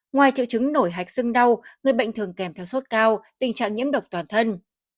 ngoài triệu chứng nổi hạch sưng đau người bệnh thường kèm theo sốt cao tình trạng nhiễm độc toàn thân